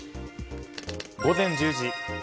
午前１０時。